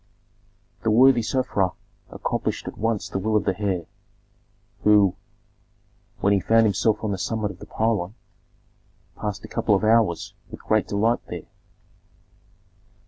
The worthy Sofra accomplished at once the will of the heir, who, when he found himself on the summit of the pylon, passed a couple of hours with great delight there.